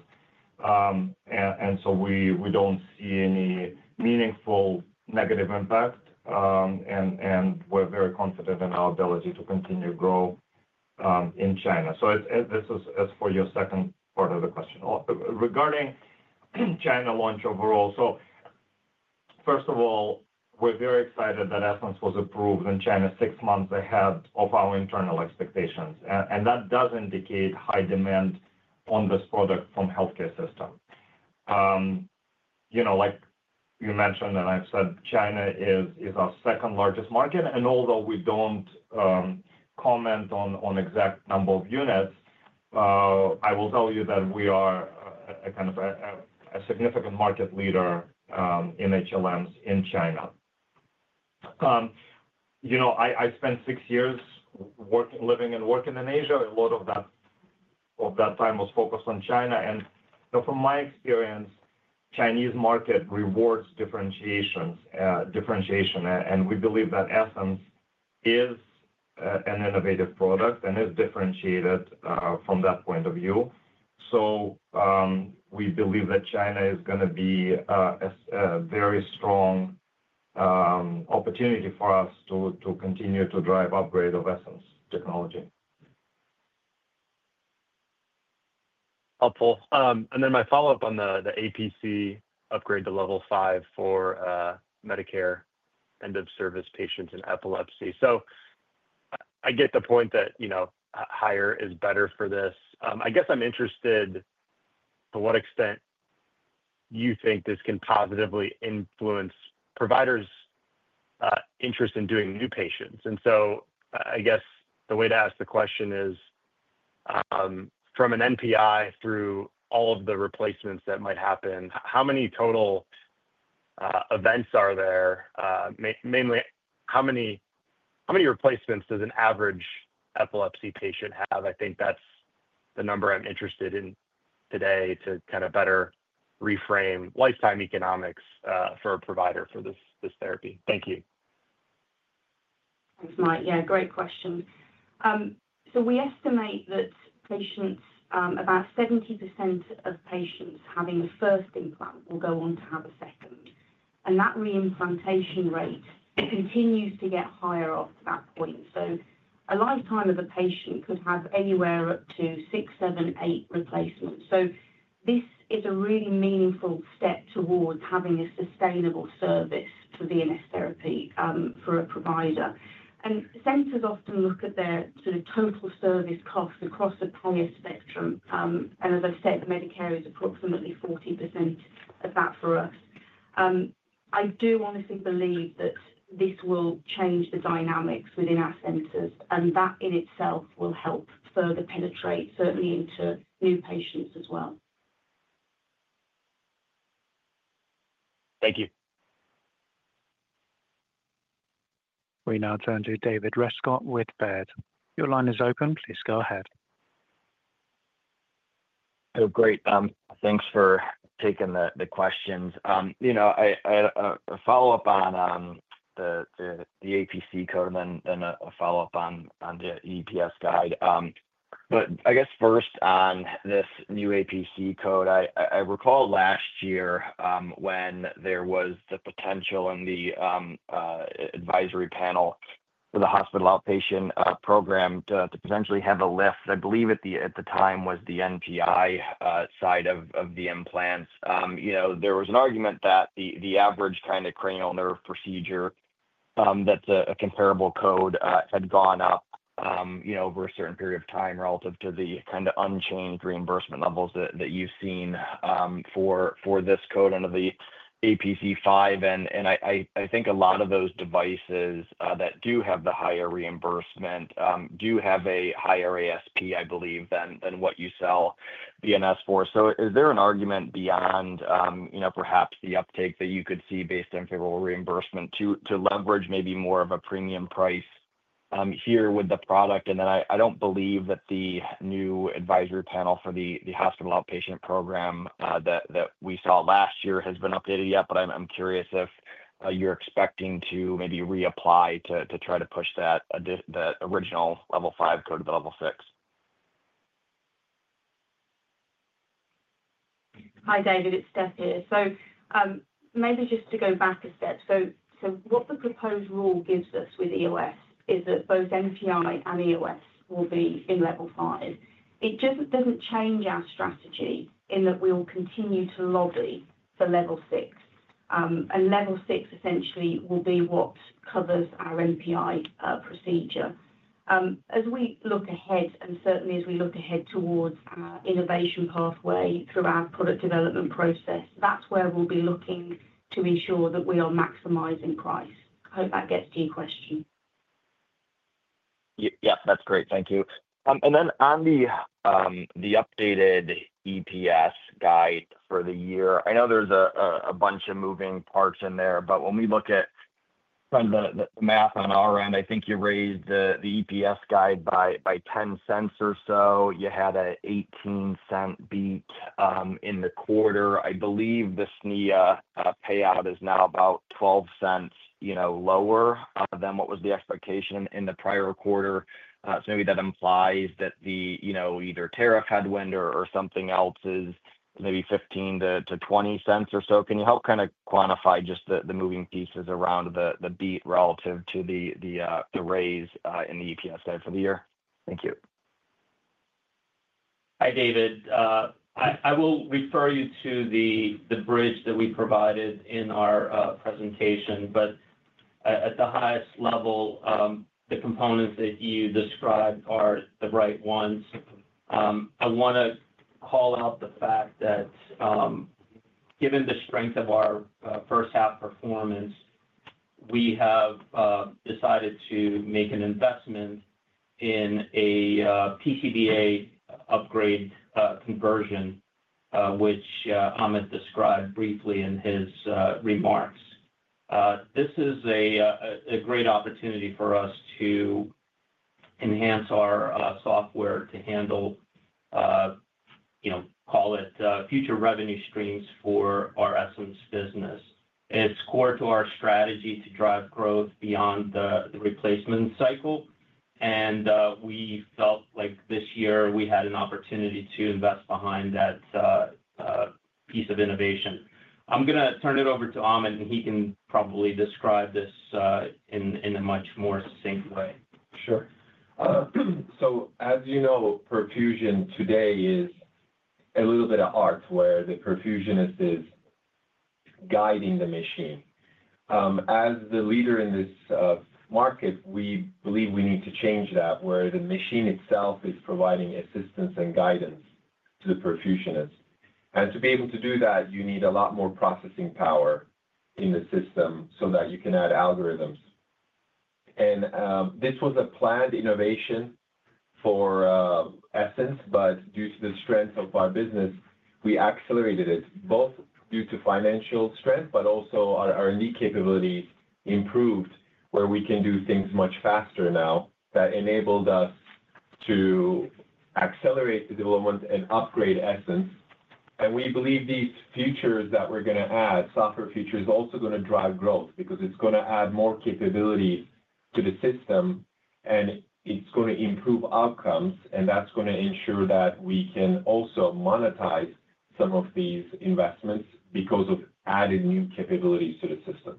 We don't see any meaningful negative impact, and we're very confident in our ability to continue to grow in China. This is for your second part of the question. Regarding China launch overall, first of all, we're very excited that Essenz was approved in China, six months ahead of our internal expectations. That does indicate high demand on this product from the healthcare system. Like you mentioned and I've said, China is our second largest market. Although we don't comment on exact number of units, I will tell you that we are a kind of a significant market leader in HLMs in China. I spent six years living and working in Asia. A lot of that time was focused on China. From my experience, the Chinese market rewards differentiation. We believe that Essenz is an innovative product and is differentiated from that point of view. We believe that China is going to be a very strong opportunity for us to continue to drive upgrade of Essenz technology. Helpful. My follow-up on the APC upgrade to Level 5 for Medicare end-of-service patients in epilepsy. I get the point that higher is better for this. I guess I'm interested to what extent you think this can positively influence providers' interest in doing new patients. I guess the way to ask the question is, from an NPI through all of the replacements that might happen, how many total events are there? Mainly, how many replacements does an average epilepsy patient have? I think that's the number I'm interested in today to kind of better reframe lifetime economics for a provider for this therapy. Thank you. Thanks, Mike. Great question. We estimate that about 70% of patients having the first implant will go on to have a second. That reimplantation rate continues to get higher after that point. A lifetime of a patient could have anywhere up to six, seven, eight replacements. This is a really meaningful step towards having a sustainable service for VNS Therapy for a provider. Centers often look at their total service cost across the prior spectrum. As I've said, Medicare is approximately 40% of that for us. I do honestly believe that this will change the dynamics within our centers, and that in itself will help further penetrate certainly into new patients as well. Thank you. We now turn to David Rescott with Baird. Your line is open. Please go ahead. Oh, great. Thanks for taking the questions. I had a follow-up on the APC code and then a follow-up on the EPS guide. First, on this new APC code, I recall last year when there was the potential in the advisory panel for the hospital outpatient program to potentially have a lift. I believe at the time it was the NPI side of the implants. There was an argument that the average kind of cranial nerve procedure, that a comparable code had gone up over a certain period of time relative to the kind of unchanged reimbursement levels that you've seen for this code under the APC 5. I think a lot of those devices that do have the higher reimbursement do have a higher ASP, I believe, than what you sell VNS for. Is there an argument beyond perhaps the uptake that you could see based on favorable reimbursement to leverage maybe more of a premium price here with the product? I don't believe that the new advisory panel for the hospital outpatient program that we saw last year has been updated yet, but I'm curious if you're expecting to maybe reapply to try to push that original Level 5 code to the Level 6. Hi, David. It's Steph here. Maybe just to go back a step. What the proposed rule gives us with EOS is that both NPI and EOS will be in Level 5. It just doesn't change our strategy in that we will continue to lobby for Level 6. Level 6 essentially will be what covers our NPI procedure. As we look ahead, and certainly as we look ahead towards our innovation pathway through our product development process, that's where we'll be looking to ensure that we are maximizing price. I hope that gets to your question. Yep, that's great. Thank you. On the updated EPS guide for the year, I know there's a bunch of moving parts in there, but when we look at kind of the math on our end, I think you raised the EPS guide by $0.10 or so. You had an $0.18 beat in the quarter. I believe the SNEEL payout is now about $0.12 lower than what was the expectation in the prior quarter. Maybe that implies that either tariff headwind or something else is maybe $0.15 to $0.20 or so. Can you help kind of quantify just the moving pieces around the beat relative to the raise in the EPS guide for the year? Thank you. Hi, David. I will refer you to the bridge that we provided in our presentation. At the highest level, the components that you described are the right ones. I want to call out the fact that given the strength of our first-half performance, we have decided to make an investment in a PCBA upgrade conversion, which Ahmet described briefly in his remarks. This is a great opportunity for us to enhance our software to handle, you know, call it future revenue streams for our Essenz business. It's core to our strategy to drive growth beyond the replacement cycle. We felt like this year we had an opportunity to invest behind that piece of innovation. I'm going to turn it over to Ahmet, and he can probably describe this in a much more succinct way. Sure. As you know, perfusion today is a little bit of art where the perfusionist is guiding the machine. As the leader in this market, we believe we need to change that where the machine itself is providing assistance and guidance to the perfusionist. To be able to do that, you need a lot more processing power in the system so that you can add algorithms. This was a planned innovation for Essenz, but due to the strength of our business, we accelerated it both due to financial strength and also our new capabilities improved where we can do things much faster now. That enabled us to accelerate the development and upgrade Essenz. We believe these features that we're going to add, software features, are also going to drive growth because it's going to add more capabilities to the system, and it's going to improve outcomes, and that's going to ensure that we can also monetize some of these investments because of adding new capabilities to the system.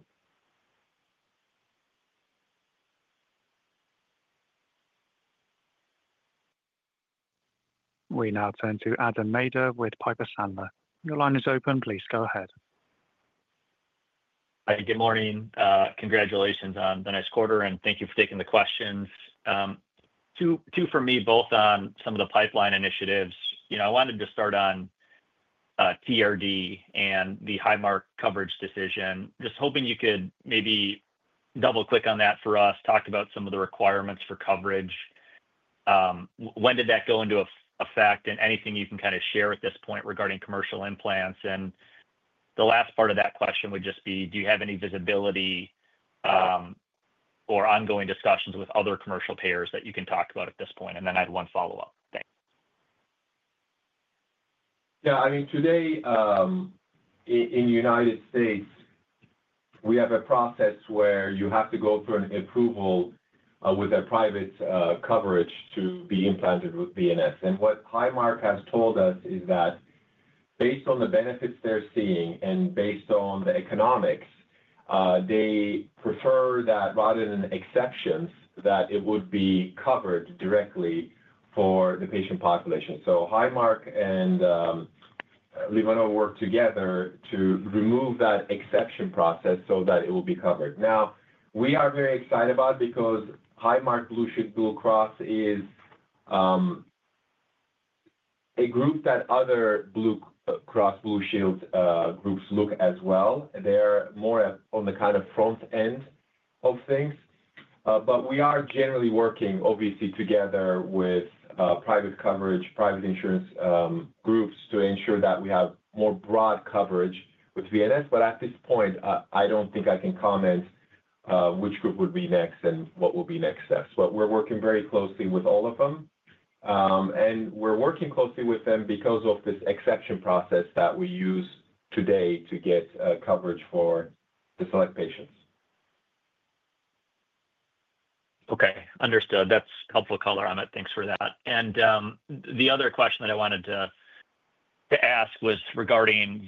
We now turn to Adam Nader with Piper Sandler. Your line is open. Please go ahead. Hi, good morning. Congratulations on the next quarter, and thank you for taking the questions. Two for me, both on some of the pipeline initiatives. I wanted to start on DTD and the Highmark coverage decision. Just hoping you could maybe double-click on that for us, talked about some of the requirements for coverage. When did that go into effect? Anything you can kind of share at this point regarding commercial implants? The last part of that question would just be, do you have any visibility or ongoing discussions with other commercial payers that you can talk about at this point? I have one follow-up. Thanks. Yeah, I mean, today in the U.S., we have a process where you have to go through an approval with a private coverage to be implanted with VNS Therapy. What Highmark has told us is that based on the benefits they're seeing and based on the economics, they prefer that rather than exceptions, that it would be covered directly for the patient population. Highmark and LivaNova work together to remove that exception process so that it will be covered. We are very excited about it because Highmark Blue Cross Blue Shield is a group that other Blue Cross Blue Shield groups look at as well. They're more on the kind of front end of things. We are generally working, obviously, together with private coverage, private insurance groups to ensure that we have more broad coverage with VNS. At this point, I don't think I can comment which group would be next and what will be next steps. We're working very closely with all of them. We're working closely with them because of this exception process that we use today to get coverage for the select patients. Okay. Understood. That's helpful color on it. Thanks for that, and the other question that I wanted to ask was regarding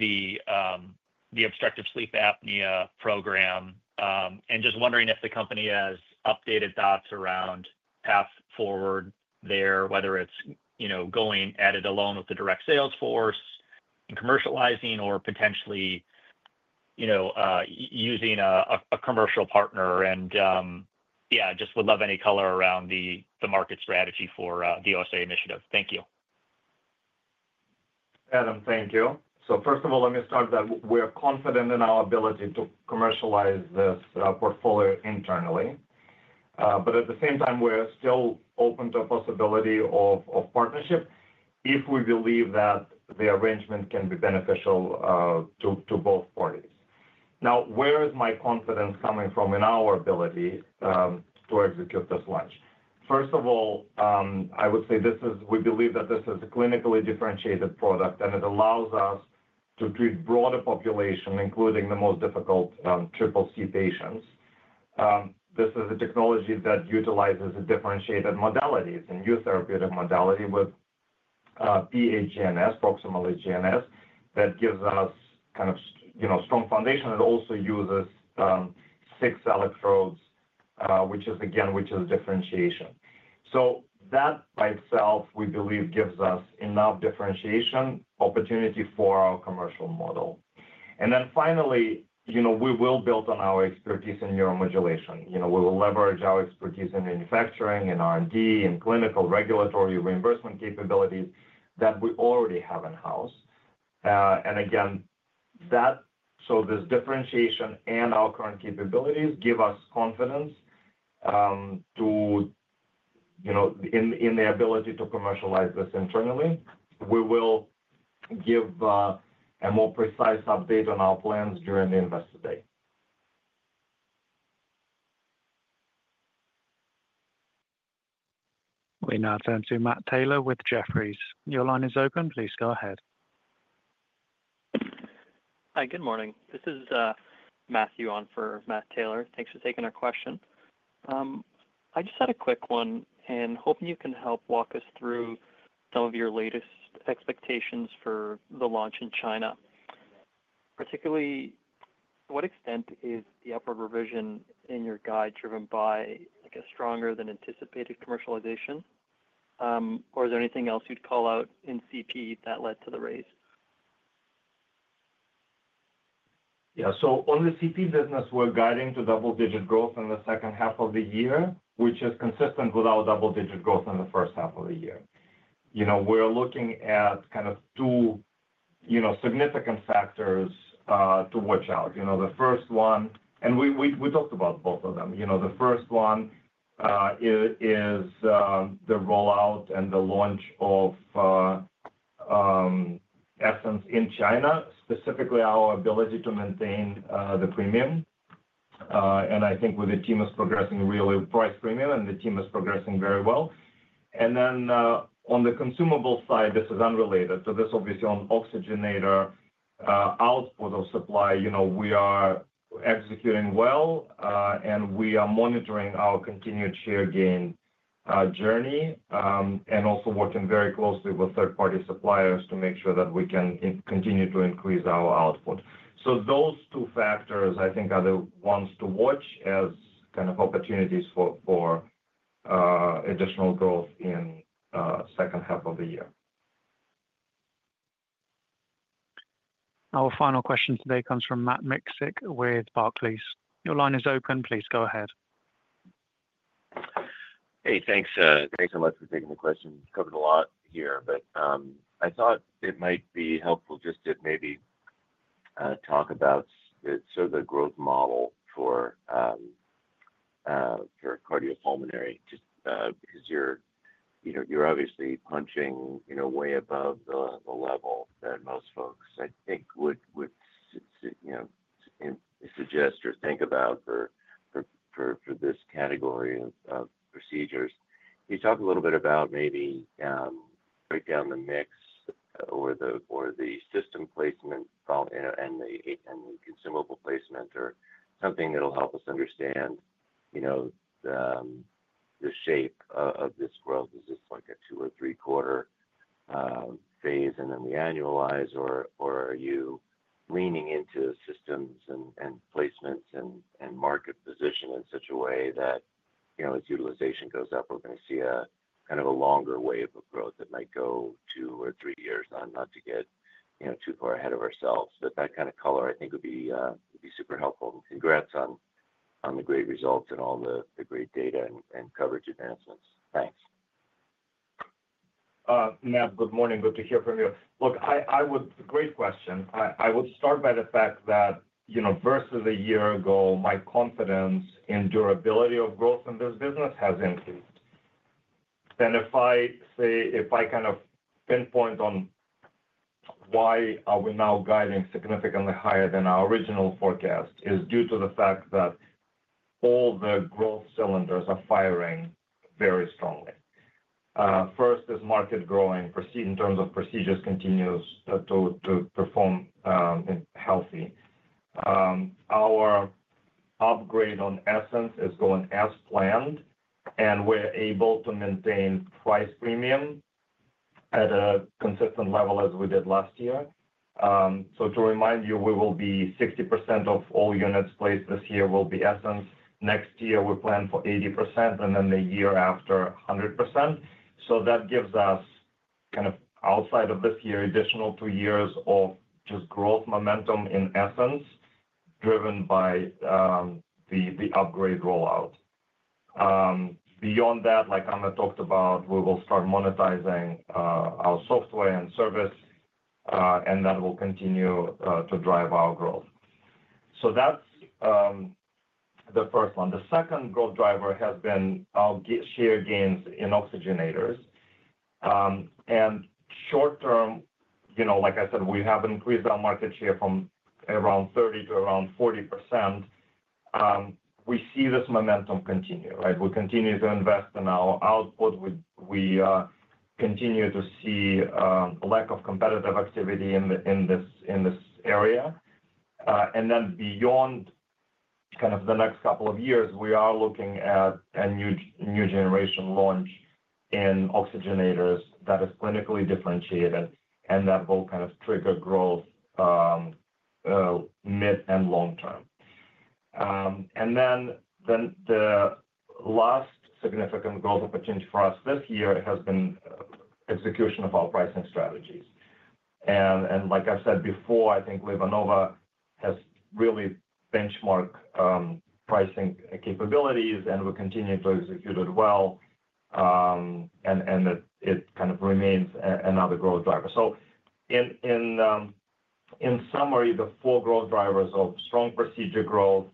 the obstructive sleep apnea program and just wondering if the company has updated thoughts around path forward there, whether it's, you know, going at it alone with the direct sales force and commercializing or potentially, you know, using a commercial partner. I just would love any color around the market strategy for the OSA initiative. Thank you. Adam, thank you. First of all, let me start that we are confident in our ability to commercialize this portfolio internally, but at the same time, we are still open to a possibility of partnership if we believe that the arrangement can be beneficial to both parties. Now, where is my confidence coming from in our ability to execute this launch? First of all, I would say we believe that this is a clinically differentiated product, and it allows us to treat broader populations, including the most difficult triple C patients. This is a technology that utilizes a differentiated modality, a new therapeutic modality with PHGNS, proximal hypoglossal nerve stimulation, that gives us kind of a strong foundation and also uses six electrodes, which is, again, which is differentiation. That by itself, we believe, gives us enough differentiation opportunity for our commercial model. Finally, you know, we will build on our expertise in neuromodulation. You know, we will leverage our expertise in manufacturing and R&D and clinical regulatory reimbursement capabilities that we already have in-house, and again, there is differentiation and our current capabilities give us confidence in the ability to commercialize this internally. We will give a more precise update on our plans during the investor day. We now turn to Matt Taylor with Jefferies. Your line is open. Please go ahead. Hi, good morning. This is Matthew on for Matt Taylor. Thanks for taking our question. I just had a quick one and hoping you can help walk us through some of your latest expectations for the launch in China. Particularly, to what extent is the upward revision in your guide driven by, I guess, stronger than anticipated commercialization? Is there anything else you'd call out in cardiopulmonary that led to the raise? Yeah, so on the CP business, we're guiding to double-digit growth in the second half of the year, which is consistent with our double-digit growth in the first half of the year. We're looking at kind of two significant factors to watch out. The first one, and we talked about both of them, the first one is the rollout and the launch of Essenz in China, specifically our ability to maintain the premium. I think the team is progressing really price premium, and the team is progressing very well. On the consumable side, this is unrelated to this, obviously, on oxygenator output of supply. We are executing well, and we are monitoring our continued share gain journey and also working very closely with third-party suppliers to make sure that we can continue to increase our output. Those two factors, I think, are the ones to watch as kind of opportunities for additional growth in the second half of the year. Our final question today comes from Matt Miksic with Barclays. Your line is open. Please go ahead. Thanks alot for taking the question. Covered a lot here, but I thought it might be helpful just to maybe talk about sort of the growth model for cardiopulmonary because you're obviously punching way above the level that most folks, I think, would suggest or think about for this category of procedures. Can you talk a little bit about maybe break down the mix or the system placement and the consumable placement or something that'll help us understand, you know, the shape of this growth? Is this like a two or three-quarter phase and then we annualize, or are you leaning into systems and placements and market position in such a way that, you know, as utilization goes up, we're going to see a kind of a longer wave of growth that might go two or three years on not to get, you know, too far ahead of ourselves? That kind of color, I think, would be super helpful. Congrats on the great results and all the great data and coverage advancements. Thanks. Yeah, good morning. Good to hear from you. Great question. I would start by the fact that, you know, versus a year ago, my confidence in durability of growth in this business has increased. If I kind of pinpoint on why are we now guiding significantly higher than our original forecast, it is due to the fact that all the growth cylinders are firing very strongly. First is market growing. In terms of procedures, it continues to perform healthy. Our upgrade on Essenz is going as planned, and we're able to maintain price premium at a consistent level as we did last year. To remind you, 60% of all units placed this year will be Essenz. Next year, we plan for 80%, and then the year after, 100%. That gives us, kind of outside of this year, additional two years of just growth momentum in Essenz driven by the upgrade rollout. Beyond that, like Ahmet talked about, we will start monetizing our software and service, and that will continue to drive our growth, so that's the first one. The second growth driver had been our share gains in oxygenators. Short term, you know, like I said, we have increased our market share from around 30% to around 40%. We see this momentum continue, right? We continue to invest in our output. We continue to see a lack of competitive activity in this area. Beyond kind of the next couple of years, we are looking at a new generation launch in oxygenators that is clinically differentiated and that will kind of trigger growth mid and long term. The last significant growth opportunity for us this year has been execution of our pricing strategies. Like I said before, I think LivaNova has really benchmarked pricing capabilities, and we continue to execute it well. It kind of remains another growth driver. In summary, the four growth drivers of strong procedure growth,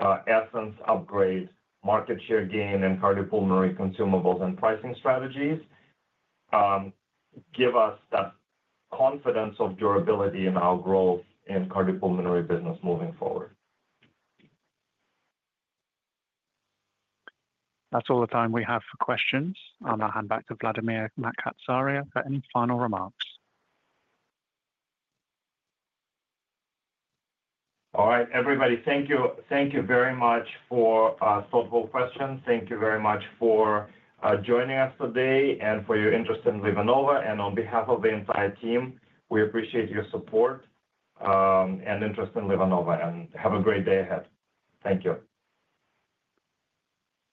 Essenz upgrade, market share gain in cardiopulmonary consumables, and pricing strategies give us that confidence of durability in our growth in cardiopulmonary business moving forward. That's all the time we have for questions. I'll now hand back to Vladimir Makatsaria for any final. All right, everybody, thank you. Thank you very much for thoughtful questions. Thank you very much for joining us today and for your interest in LivaNova. On behalf of the entire team, we appreciate your support and interest in LivaNova. Have a great day ahead. Thank you.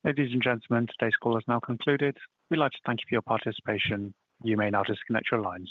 Ladies and gentlemen, today's call is now concluded. We'd like to thank you for your participation. You may now disconnect your lines.